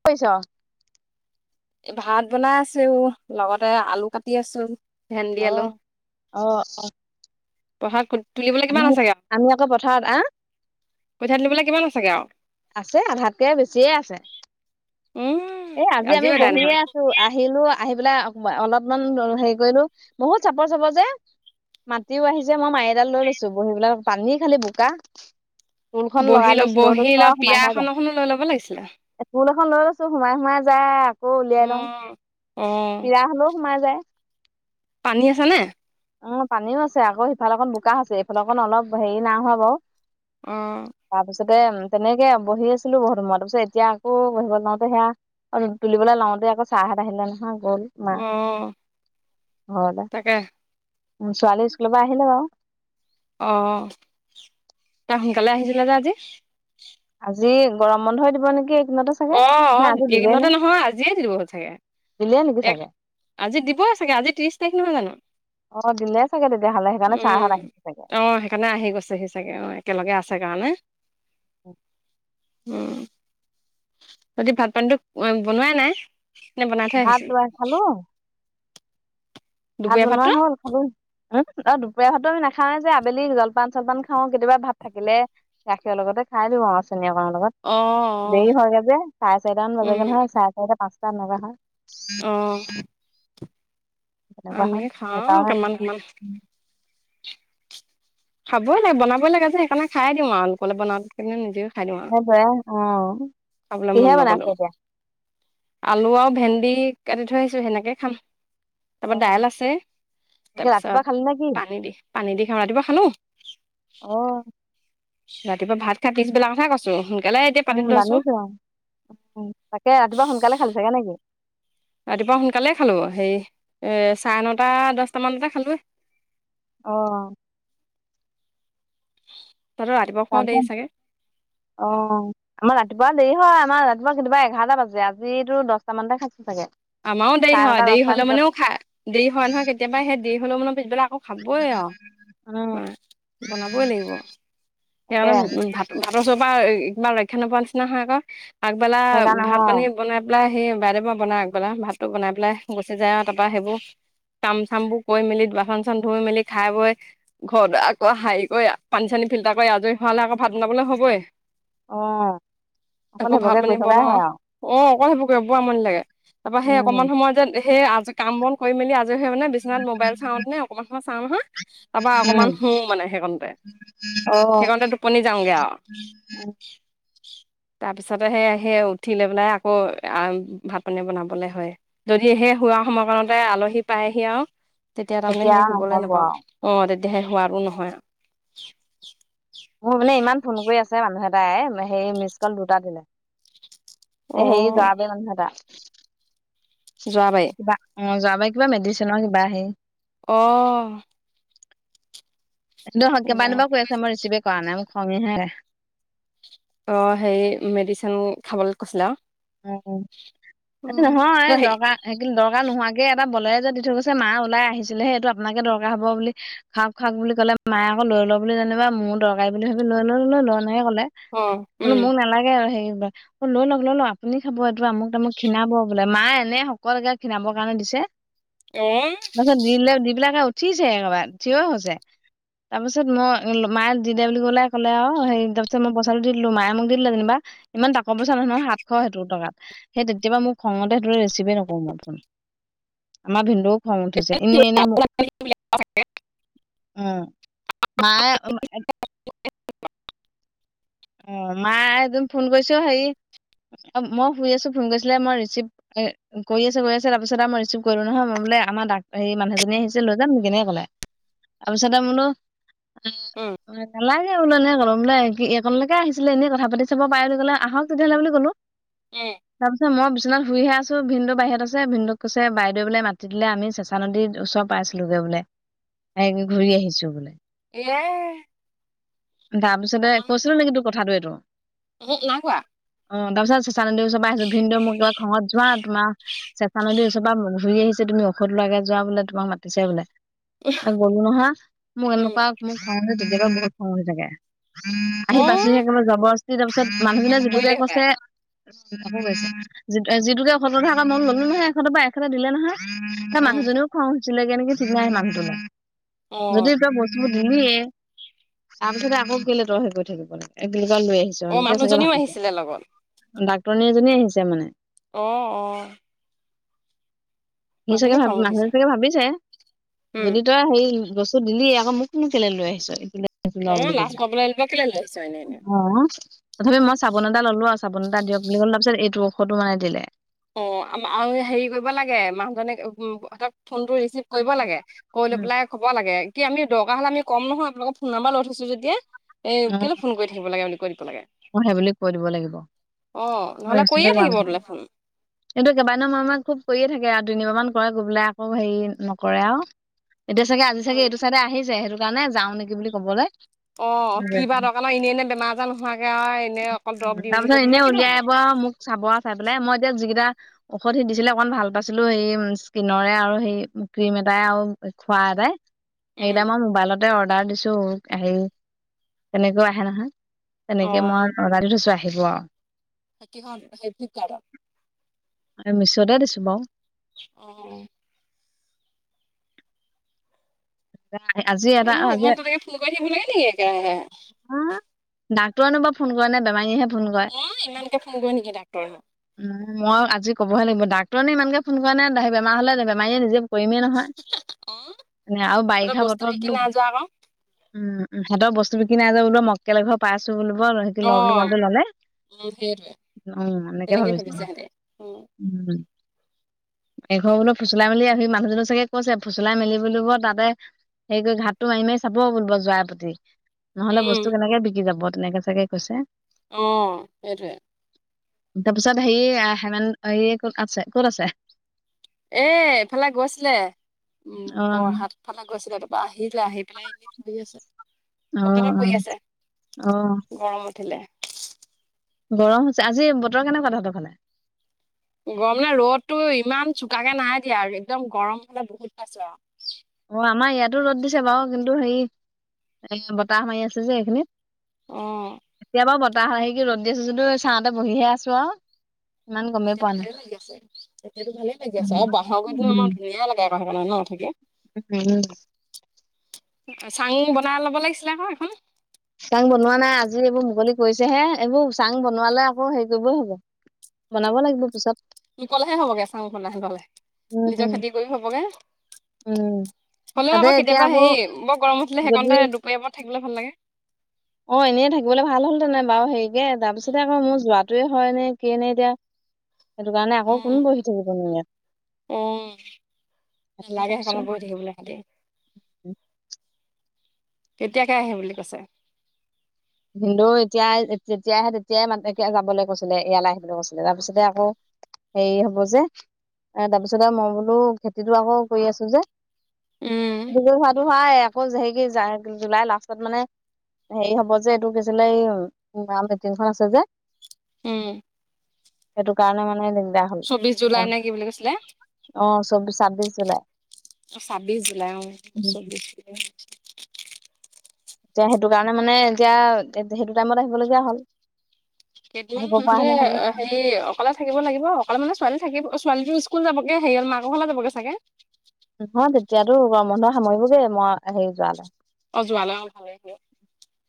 কি কৰিছ? এ ভাত বনাই আছো লগতে আলু কাটি আছো। ভেন্দি অ অ পথাৰত ক তুলিবলৈ আমি কিমান আছেগ আৰু আমি আকৌ পথাৰত আহ কঠীয়া তুলিবলৈ কিমান আছেগ আৰু আছে আধাতকে বেছিয়ে আছে। উম এ আজি আমি আজিও এদাই বহিয়ে নহয় আছো আহিলো আহি পেলাই অলপমান হেৰি কৰিলো বহুত চাপৰ চাপৰ যে মাটিও আহিছে মই মাৰি এডাল লৈ লৈছো বহিবলে পানী খালি বোকা। ইলখন লগাই লৈ চিলো পিড়া এনখননো লৈ ল'ব লাগিছিলে। তূল এখন লৈ লৈছো সোমাই সোমাই যায় আকৌ উলিয়াই অ লওঁ অ পীড়া হলেওঁ সোমাই যায়। পানী আছে নে? উমঁ পানীও আছে আকৌ সিফাল অকণ বোকা আছে এইফালে অকণ অলপ হেৰি নাই হোৱা বাৰু। অঁ! তাৰপিছতে তেনেকে বহি আছিলো বহুত সময় তাৰপিছত এতিয়া আকৌ বহিব লওঁতে সেয়া- তুলিবলৈ লাওঁতে আকৌ চাৰ হত আহিলে নহয় গ'ল। মা অঁ তাকে। উমঁ ছোৱালী স্কুলৰ পৰা আহিলে বাৰু। অঁ তাই সোনকালে আহিছিলে যে আজি। আজি গৰম বন্ধ এ দিব নেকি এইদিনতে। চাগে নে অঁ আজি দিলে এইদিনতে নে নহয় আজিয়ে দিব চাগে দিলে নেকি এক। চাগে আজি দিবই চাগে আজি ত্ৰিশ তাৰিখ নহয় জানো। অ দিলে চাগে তেতিয়াহ'লে সেইকাৰণে ছাৰহঁত আহিছে চাগে উমঁ অ সেইকাৰণে আহি গৈছেহি। তাকে অ একেলগে আছে কাৰণে। হো। উমঁ! বাকি ভাত পানীটো বনোৱাই নাই? নে বনাই থৈ ভাত আহিছিলে দুবাৰ খালোং। ভাত দুপৰীয়া বনোৱা ভাতটো হ'ল। খালো উমঁ অ দুপৰীয়াৰ ভাতো আমি নাখাওঁ এ যে আবেলি জলপান চলপান খাওঁ কেতিয়াবা ভাত থাকিলে- গাখীৰৰ লগতে খাই দিওঁ আৰু চেনী অকনৰ অ অ লগত। দেৰি হয়গৈ যে চাৰে চাৰিটামান উম বাজেগে নহয় চাৰে চাৰিটা পাঁচটা এনেকোৱা হয়। অ চইট চিট। অমি খাওঁ সেইকাৰণে কিমান কিমান। খাবই লাগে বনাবই লাগে যে সেইকাৰণে খাই দিওঁ আৰু লোকলে বনাতেও। সেইকাৰণে নিজেও খাই দিওঁ আও সেইটোৱে অ খাবলৈ মন কিহে বনাইছে নগলেও। এতিয়া আলু আৰু ভেন্দি কাটি থৈ আহিছোঁ সেনেকে খাম। অ তাৰপা দাইল আছে তাকে তাৰ পিছত ৰাতিপুৱা খালি নে কি পানী দি পানী দি খাওঁ ৰাতিপুৱা খালো। অঁ। ৰাতিপুৱা ভাত খায় পিছবেলাৰ কথাহে কৈছোঁ সোনকালে এতিয়া পাতি থৈছোঁ। উমঁ তাকে ৰাতিপুৱা সোনকালে খালি চাগে নেকি? ৰাতিপুৱা সোনকালেই খালোঁ হেৰি এ চাৰে নটা দহটামানতে খালোঁ। অঁ! তহতৰ ৰা- তানচন অঁ। আমাৰ ৰাতিপুৱা দেৰি হয় আমাৰ ৰাতিপুৱা কেতিয়াবা এঘাৰটা বাজে আজিতো দহটা মানতে খাইছো চাগে। আমাৰো দেৰি চাৰে হয় নটা দেৰি দহটাৰ হ'লে ভিতৰত মানেও খায় দেৰি হয় নহয় কেতিয়াবা সেই দেৰি হলেও মানে পিছেবেলা আকৌ- খাবই আও উম মা বনাবই লাগিব তাকে সেইকাৰণে ভাত। ভাতৰ ওচৰৰ পৰা একেবাৰ ৰক্ষা নোপোৱা নিচিনা হয় আক আগবেলা সেইকাৰণে অ ভাত পানী- বনাই পেলাই সি বাইদেৱৰ পৰা বনাই আগবেলা ভাততো বনাই পেলাই গুচি যায় আৰু তাৰ পৰা সেইবোৰ- কাম চামবোৰ কৰি মেলি বাচন চাচন ধুই মেলি খাই বৈ- ঘৰ দুৱাৰ আকৌ হাঁৰি কৰি পানী চানী ফিল্টাৰ কৰি আজৰি হোৱালে আকৌ ভাত বনাবলৈ হ'বই। অ অকল আকৌ সেইবোৰকে ভাত কৰি পানী থকাই বনাওঁ হয় আৰু অ অক সেইবোৰকবোৱা আমনি লাগে তাৰ পা সেই উম অকমান সময় যে সেই আজ কাম বন কৰি মেলি আজৰি হৈ মানে বিচনাত মোবাইল চাও নে অকমান সময় চাওঁ নহয় তাৰপা অকণমান উম শুও মানে সেইকণতে অ সেইকণতে টোপনি যাওঁগে আউ উম তাৰ পিছতে সে সেই উঠি লৈ পেলাই আকৌ আ ভাত পানী বনাম বলে হয় যদিহে শোৱা সময় কণতে আলহী পায়হি আউ তেতিয়া তাৰমানে সেই শুবলৈ নহব নাপাওঁ আৰু অ তেতিয়া সে হোৱাৰো নহয় আউ মোৰ মানে ইমান ফোন কৰি আছে মানুহ এটাই সেই মিচ কল দুটা দিলে অ এ হেই যোৱাবে মানুহ এটা যোৱাবাৰী কিবা অ যোৱাবাই কিবা মেডিচিনৰ কিবা হেই অ সেইটো হত যোৱা কেইবাদিনো পা কৈ আছে মই ৰিচিভে কৰা নাই মোক খংঙীহে অ হেই মেডিচিন খাবলে কৈছিলে আউ অ অ এইটো নহয় দৰকা সেই কিন দৰকাৰ নোহোৱাকে এটা বলেৰে যে দি থৈ গৈছে মা ওলাই আহিছিলেহে সেইটো আপোনাকে দৰকাৰ হ'ব বুলি খাওক খাওক বুলি ক'লে মায়ে আকৌ লৈ ল বুলি যেনিবা মোৰো দৰকাৰী বুলি ভাবি লৈ ল লৈ ল এনেকে ক'লে মানে মোও নালাগে আৰু হেই বা লৈ লওক লৈ লওক আ পুনী খাব এইটো আমুক তামুক খীণাব বোলে মা এনে শকত একে খীণাবৰ কাৰণে দিছে অম তাছত দিলে দি পেলাইকে উঠিছে একবাই থিয় হৈছে তাৰপিছত মই মায়ে দি দে বুলি কলে ক'লে আউ সেই ত পিছত মই পইচাটো দি দিলো মায়ে মোক দি দিলে যেনিবা ইমান তাকৰ পইচা নহয় নহয় হাত এশ সতৰ টকাত সেই তেতিয়াবা মোক খঙতে সেইটোৰে ৰিচিভে নকৰো মই ফোন আমাৰ ভিনদৌ খং উঠিছে এনে এনে মোক উম মায়ে উম অ মা একদম ফোন কৰিছো হেৰি মই শুই আছো ফোন কৰিছিলে মই ৰিচিভ এ কৰি আছে আছে তাৰপিছত আউ ইৰিচিভ কৰিলো নহয় মই বোলে আমাৰ দা হেই মানুহজনী আহিছে লৈ যাম নেকি এনেকে ক'লে তাৰপিছতে বোলো এ নেলাগে যে [unintelligible] বোলো এ ন কলম বোলে অনলৈকে আহিছিলে এনেই কথা পাতি চাব পাৰে বুলি কলে আহক তেতিয়াহ'লে বুলি কলো মই বিচনাত শুইহে আছো ভিনিদেউ বাহিৰত আছে ভিন্দৌক কৈছে বাইদেউ বোলে মাটি দিলে আমি চেছ চা নদীৰত ওচৰ পাইছিলোগে বোলে হে ঘূৰি আহিছো বোলে এয়াই অমান তোৰ নেকি টো কথাটো এইটো নাখোৱা, অ তাৰপিছত চ চান চৰাইছো ভিনিদেউ মই কিবা খংঙত যোৱা না তোমাৰ চেচা নদীৰ ওচৰ পা ঘূৰি আহিছে তুমি ঔষধ লোৱাগে যোৱা বোলে তোমাক মাতিছে বোলে এ গলো নহয় মোক এনেকুৱা মো খং উঠে তেতিয়া পা বহুত খং উঠি থাকে অ, আহি পাইছোহে একেবাই জবৰদস্তি তাৰ পিছত মানুহখনে আকৌ যেনেকে কৰিলে হপায়, কছে যিটোকে এসত্ৰতা ক মন ললো নহয় এশত বা এটা দিলে নহয় [unintelligible] এ মানুহজননেীও খং হৈচছিলে কেে নেকি ঠিকনাাই আহে মানুহটোলৈ যদি অ, কতিা ব [unintelligible] ধুনিয়ে তাৰ পিছতে আকৌ কেলে তহ সে গৈ থাকিব লাগে একেলগ লৈ আহিছ [unintelligible] অ, এনেকে চাগে মানুহজনীও ভাল আহিছিলে লগত, ডাক্তৰনী এজনী আহিছে মানে অঁ অঁ সি চাগে মানুহজনী ভাব খং উঠিছে, মানুহে চাগে ভাবিছে উম, যদি তই সেই বস্তু দিলি আকৌ মোকনু কেলে লৈ আহিছ ই অঁ লাছ পাবলে [unintelligible] কেলৈ লৈ আহিছো এনে এনেই অ তথাপি মই চাবোন এটা ললো আৰু চাবোন এটা দিয়ক বুলি কলে তাৰপিছত এইটো ঔষধো মানে দিলে। অ আৰু হেৰি কৰিব লাগে মানুহজনেক ফোনটো ৰিচিভ কৰিব লাগে। কৰি লৈ উম পেলাই কব লাগে, কি আমি দৰকাৰ হ'লে আমি কম নহয় আপোনালোকক ফোন নম্বাৰ লৈ থৈছো যেতিয়া। এ কেলে ফোন কৰি থাকিবা লাগে বুলি কৈ দিব লাগে। অ সেই বুলি কৈ দিব লাগিব। অ নহ'লে কৰিয়ে ৰিচিভে কৰা থাকিব নহল তোলে ফোন। এইটো কেইবাদিনো মই খুব কৰিয়ে থাকে আৰু তিনিবাৰ মান কৰা বোলে আকৌ হেৰি নকৰে আৰু। এতিয়া চাগে আজি উম, চাগে এইটো চাইডে আহিছে সেইটো কাৰণে যাওঁ নেকি বুলি কবলৈ অ কিবা বা দৰকাৰ ন এনেই এনে বেমাৰ আজাৰ নোহোৱাকৈ আৰু এনে অকল দৰৱ তাৰ দিওঁনি পিছত এনেই সুধিলে কি নো উলিয়াই আহিব হ'ব। আৰু মোক চাব আৰু চাই পেলাই মই এতিয়া যিকেইটা ঔষধ সি দিছিলে অকমান ভাল পাইছিলো। সেই স্কিনৰৰে আৰু সেই ক্ৰীম এটাই আৰু খোৱা এটাই। উম। সেইকেইটা মই মোবাইলতে অৰ্ডাৰ দিছো, হেৰি তেনেকৈও আহে নহয়। অ তেনেকে মই অৰ্ডাৰ দি থৈছো আহিব আৰু। কিহত? সেইটো ফ্লিপ কাৰ্ডত? মেছ'তে দিছো বাৰু। অ। এ আজি এটা এ আজি ইমান তেনেকে ফোন কৰি থাকিব লাগে নি একেৰাহে? হা? ডাক্তৰনো বাৰু ফোন কৰা নে বেমাৰীহে অ ইমানকে ফোন কৰে নেকি ডাক্তৰ হক। মই আজি ক'বহে লাগিব, ডাক্তৰ নে ইমানকে ফোন কৰা নে, বেমাৰ হ'লে ন বেমাৰীয়ে নিজে কৰিমেই নহয়। অ। এ আৰু সিহঁতৰ বাৰিষা বস্তু বতৰ বিকি বলো নাই যোৱা আকৌ। উম সিহঁতৰ বস্তু বিকি নাই যোৱা বলো মকেল এঘৰ পাইছো বোলিব ল অ বুলি কওতে ললে। উম সেইটোৱে উম এনেকে তেনেকেই ভাবিছো। ভাবিছে সিহঁতে। উম। এঘৰ বোলো ফচুলাই মেলি আহি মানুহজনো চাগে কৈছে ফচুলাই মেলি বুলিব তাতে [unintelligible] যোৱাৰ প্ৰতি। নহ'লে উম বস্তু কেনেকে বিকি যাব। তেনেকে চাগে কৈছে। অ সেইটোৱে। তাৰপিছত হেৰি হেমেন এই ক'ত আছে? ক'ত আছে? এ এইফালে গৈছিলে উম অ', বৰহাট ফালে গৈছিলে। তাৰপৰা আহি-আহি পেলাই এনে শুই আছে। পকাতে অ', পৰি আছে অ', অ', গৰম উঠিলে। গৰম হৈছে। আজি বতৰ কেনেকুৱা তহঁতৰ ফালে? গৰম নে, ৰ'দতো ইমান চোকাকে নাই দিয়া আৰু একদম গৰম হ'লে বহুত পাইছো আৰু। অ আমাৰ ইয়াতো ৰ'দ দিছে বাৰু। কিন্তু হেৰি এ বতাহ মাৰি আছে যে এইখিনিত। অ। [unintelligible] ৰ'দ দিছে যদিও চাওঁতে বহিহে আছো আৰু। ইমান অ গমেই এতিয়াতো পোৱা নাই। ভালে লাগি আছে। এতিয়াতো ভালে লাগি আছে। উম, আৰু বাহৰ গুৰি উম। আমাৰ ধুনীয়া লাগে ন থাকে? [unintelligible] চাং বনাই ল'ব লাগিছিলে আকৌ এখন। চাং বনোৱা নাই। আজি এইবোৰ মুকলি কৰিছেহে এইবোৰ চাং বনোৱালে আকৌ হেৰি কৰিবই হ'ব। বনাব লাগিব পিছত। মুকল হ'বগে চাং বনাই ললে। নিজৰ উম, খেতি কৰি হ'বগে। উম, হ'লেও তাতে আকৌ এতিয়া কেতিয়াবা হেৰি, বৰ গৰম উঠিলে যদি সেইকণতে দুপৰীয়া টাইমত থাকিবলে ভাল লাগে। অ, এনেই থাকিবলৈ ভাল হ'লহেতেন বাৰু হেৰিকে, তাৰপিছতে আকৌ মোৰ যোৱাটোৱে হয়নে কিয়ে নে এতিয়া? সেইটো কাৰণে আকৌ কোন উম বহি থাকিবনো ইয়াত। উম। নেলাগে ভাবিছো। সেইকণত বহি থাকিবলৈ। [unintelligible] কেতিয়াকে আহিম বুলি কৈছে? ভিনদেউ এতিয়া, যেতিয়া আহে তেতিয়াই মানে যাবলৈ কৈছিলে, ইয়ালৈ আহিবলৈ কৈছিলে। তাৰপিছতে আকৌ হেৰি হ'ব যে, তাৰপিছত আৰু মই বোলো খেতিটো আকৌ কৰি আছো যে। উম দুজন হোৱাটো হয়, আকৌ হে জুলাই লাষ্টত মানে হেৰি হ'ব যে [unintelligible] এই [unintelligible] মিটিংখন আছে যে। উম। সেইটো কাৰণে মানে দিগদাৰ। হ'ল চৌবিশ জুলাই নে কি বুলি কৈছিলে? অ চৌবিশ ছাব্বিশ জুলাই ছাব্বিশ জুলাই অ, চৌবিশ জুলাই। এতিয়া সেইটো কাৰণে মানে এতিয়া সেইটো টাইমত আহিবলগীয়া হ'ল। আহিব পৰা কেইদিনমানে হেতেন ভালে হেৰি অকলে থাকিব লাগিব, অকলে মানে ছোৱালী থাকিব অ, ছোৱালীটো স্কুল যাবগে হেৰি মাকৰ ঘৰলে যাবগে চাগে। নহয়, তেতিয়াতো গৰম বন্ধ সামৰিবগে, মই হেৰি যোৱালে। অ, যোৱালে অ, [unintelligible]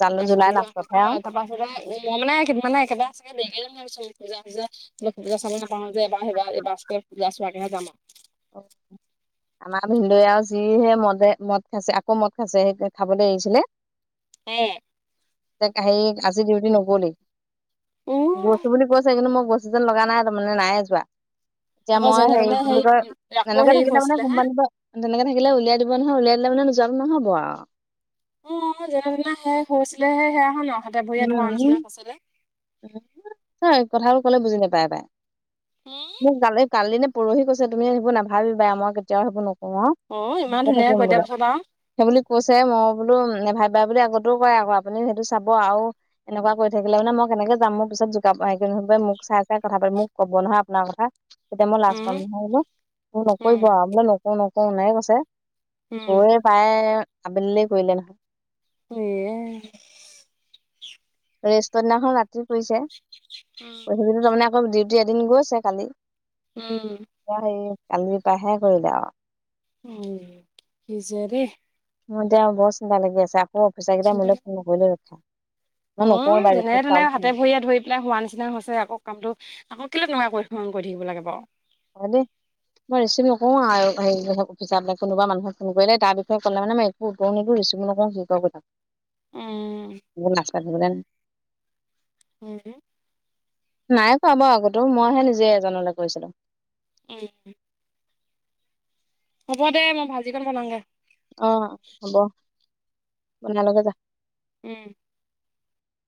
জানো এতিয়া জুলাই ছোৱালীও লাষ্টতহে আৰু তাৰ পাছতে মই মানে কেইদিনমান চাগে দেৰিকে যাম ভাবিছিলোঁ, পূজা-সূজা। মই পূজা চাবলৈ নাপাওঁ যে এবাৰ, সেইবাৰ এইবাৰ চাগে পূজা চোৱাকেহে যাম আৰু। [inaudible] আমাৰ ভিনদেউ আৰু যিহে মদে, মদ খাইছে, আকৌ মদ খাইছে, সেই খাবলৈ এৰিছিলে। উম। তাকে হেৰি আজি ডিউটি নগ'লেই, উম গৈছো বুলি কৈছে, কিন্তু মই গৈছে যেন লগা নাই, তাৰমানে নাই যোৱা, এতিয়া আকৌ মই যেনে তেনে হেৰি কি সেই বুলি কয় আকৌ এনেকে হেৰি থাকিলে মানে হৈছিলে হা কোম্পানী এনেকে থাকিলে উলিয়াই দিব নহয়, উলিয়াই দিলে মানে যোৱাটো নহ'ব আৰু। অ, যেনেতেনে শেষ হৈছিলেহে, সেয়া হয় ন! হাতে ভৰিয়ে ধৰা নিচিনা উম, হৈছিলে এ, কথাবোৰ ক'লে বুজি নাপায়। উম, মোক কালি কালি নে পৰহি কৈছে তুমি সেইবোৰ নাভাবিবাই, মই কেতিয়াও সেইবোৰ নকৰো আৰু। অ ইমান কথা ধুনীয়াকে কোনে কৈ দিয়াৰ ক'লে? পিছত আৰু সেই বুলি কৈছে, মই বোলো নাভাবিবা বুলি আগতেও কয় আকৌ আপুনি, সেইটো চাব আৰু এনেকুৱা কৰি থাকিলে মানে মই কেনেক যাম, মোৰ পিছত জোকা, মোক চাই-চাই কথা পাতি, মোক ক'ব নহয় আপোনাৰ কথা। তেতিয়া মই লাজ পাম উম নহয়, এইবোৰ উম নকৰিব আৰু বোলে নকৰো-নকৰো এনেকে কৈছে। উম গৈ পায় আবেলিলেই কৰিলে নহয়। উম। [unintelligible] ৰেষ্টৰ দিনাখন ৰাতি কৰিছে। উম। এইকেইদিন তাৰমানে আকৌ ডিউটি এদিন গৈছে কালি। উম। এতিয়া হেৰি, কালি পাইহে কৰিলে আৰু। উম, কি যে দেই। মোৰ এয়া বৰ চিন্তা লাগি আছে, আকৌ অফিচাৰ কেইটাই মোলে ফোন নকৰিলে ৰক্ষা। মই অউ, নকৰো বাৰু যেনে ৰিচিভ তেনে কাৰো হাতে ফোন ভৰিয়ে ধৰি পাই হোৱা নিচিনা হৈছে আকৌ কামটো আকৌ কেলে [unintelligible] কৰি, কৰি থাকিব লাগে বাৰু। হয়, দেই। মই ৰিচিভ নকৰোঁ আৰু হে অফিছাৰলে কোনোবা মানুহক ফোন কৰিলে, তাৰ বিষয়ে ক'লে মানে একো একো উত্তৰও নিদিওঁ, ৰিচিভ নকৰোঁ যি কৰ কৰি থাক। উম। [inaudible] উম। নাই পোৱা বাৰু আগতেও, মইহে নিজে এজনলৈ কৰিছিলোঁ। উম। হ'ব দে, মই ভাজিকণ বনাওঁগে। অ', হ'ব। [unintelligible] যা। উম।